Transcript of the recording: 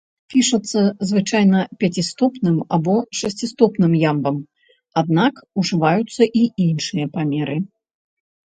Пішацца звычайна пяцістопным або шасцістопным ямбам, аднак ужываюцца і іншыя памеры.